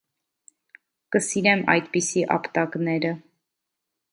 - Կսիրեմ այդպիսի ապտակները: